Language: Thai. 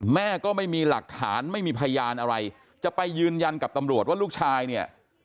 แม่ก็ไม่มีหลักฐานไม่มีพยานอะไรจะไปยืนยันกับตำรวจว่าลูกชายเนี่ย